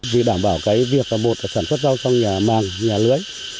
vì đảm bảo cái việc bột sản xuất rau trong nhà màng nhà lưỡi